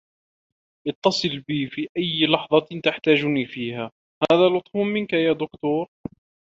اتّصل بي في أيّ لحظة تحتاجني فيها. "هذا لطف منك يا دكتور."